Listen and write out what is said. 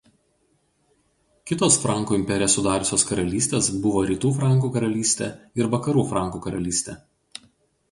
Kitos Frankų imperiją sudariusios karalystės buvo Rytų Frankų karalystė ir Vakarų Frankų karalystė.